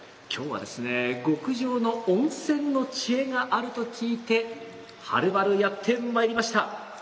今日はですね極上の温泉の知恵があると聞いてはるばるやって参りました。